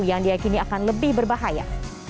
yang diakini akan lebih berbahaya